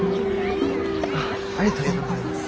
ありがとうございます。